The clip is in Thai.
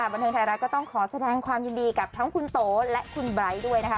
บันเทิงไทยรัฐก็ต้องขอแสดงความยินดีกับทั้งคุณโตและคุณไบร์ทด้วยนะคะ